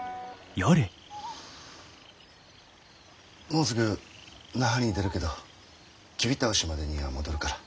もうすぐ那覇に出るけどキビ倒しまでには戻るから。